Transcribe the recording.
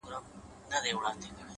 ټول عمر ښېرا کوه دا مه وايه”